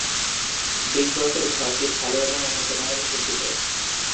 Big বসের ঘরটি ভাল এবং উন্নতমানের সজ্জিত।